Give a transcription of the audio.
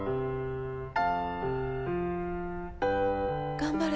頑張れ。